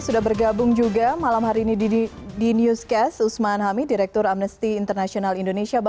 sudah bergabung juga di newscast eva usman hami direktur amnesty international indonesia